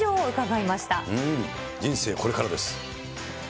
人生これからです。